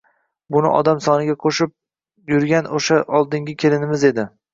Buni odam soniga qo‘shib jurg‘an o‘sha oldingi kelinimiz edi